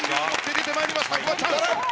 出てまいりました、フワちゃん。